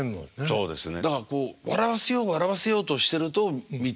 そうですね。